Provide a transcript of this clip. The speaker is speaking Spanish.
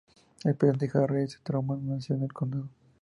El Presidente Harry S. Truman nació en el condado.